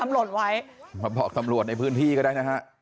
มาบอกสำรวจในพื้นที่ก็ได้นะฮะ